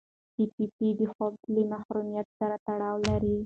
پي پي پي د خوب له محرومیت سره تړاو لري.